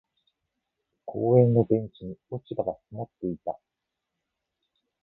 公園のベンチに落ち葉が積もっていた。